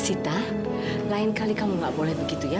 cita lain kali kamu gak boleh begitu ya